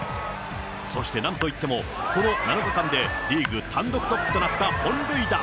そしてなんといっても、この７日間でリーグ単独トップとなった本塁打。